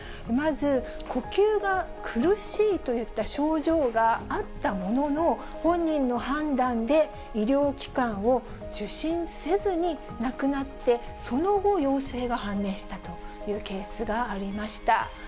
まず、呼吸が苦しいといった症状があったものの、本人の判断で、医療機関を受診せずに亡くなって、その後、陽性が判明したというケースがありました。